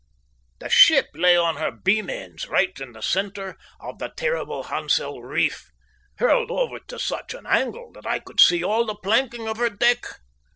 The ship lay on her beam ends right in the centre of the terrible Hansel reef, hurled over to such an angle that I could see all the planking of her deck.